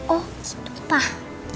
oh gitu pak